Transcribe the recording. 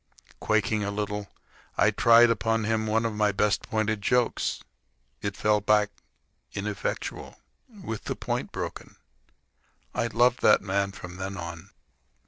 Quaking a little, I tried upon him one of my best pointed jokes. It fell back ineffectual, with the point broken. I loved that man from then on.